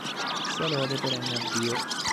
Sia lode perenne a Dio.